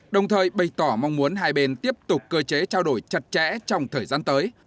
đồng thời bày tỏ mong muốn hai bên tiếp tục cơ chế trao đổi chặt chẽ trong thời gian tới